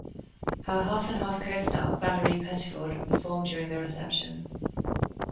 Her "Half and Half" co-star Valarie Pettiford performed during the reception.